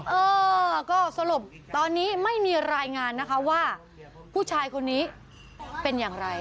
เออก็สรุปตอนนี้ไม่มีรายงานนะคะว่าผู้ชายคนนี้เป็นอย่างไร